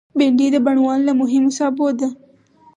بېنډۍ د بڼوال له مهمو سابو ده